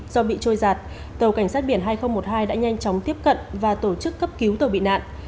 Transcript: do bị trôi giạt tàu cảnh sát biển hai nghìn một mươi hai đã nhanh chóng tiếp cận và tổ chức cấp cứu tàu bị nạn